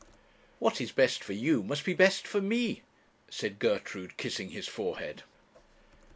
'What is best for you must be best for me,' said Gertrude, kissing his forehead.